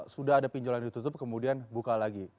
sudah ada pinjol yang ditutup kemudian buka lagi